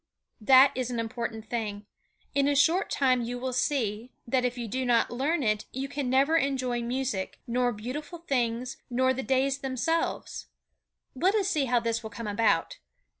That is an important thing. In a short time you will see, that if you do not learn it you can never enjoy music, nor beautiful things, nor the days themselves. Let us see how this will come about.